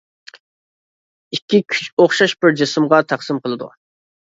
ئىككى كۈچ ئوخشاش بىر جىسىمغا تەقسىم قىلىدۇ.